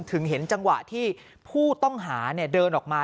เห็นจังหวะที่ผู้ต้องหาเดินออกมา